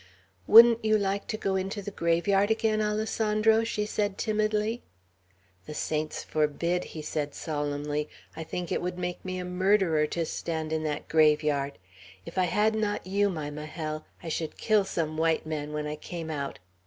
"Wouldn't you like to go into the graveyard again, Alessandro?" she said timidly. "The saints forbid!" he said solemnly. "I think it would make me a murderer to stand in that graveyard! If I had not you, my Majel, I should kill some white man when I came out.